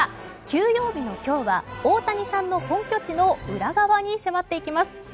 休養日の今日は大谷さんの本拠地の裏側に迫っていきます。